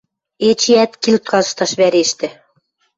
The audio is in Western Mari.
Эчеӓт килт кашташ вӓрештӹ.